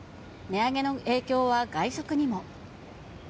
値上げの影響は外食にも。